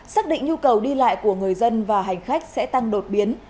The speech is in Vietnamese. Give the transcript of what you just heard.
xác định nhu cầu đi lại của người dân và hành khách sẽ tăng đột biến